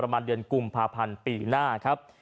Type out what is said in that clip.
ประมาณเดือนกุมภาพันธ์ปีหน้าครับ